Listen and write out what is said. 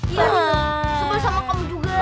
iya dia sebel sama kamu juga